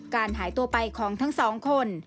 การหายตัวไปของทั้งสองคน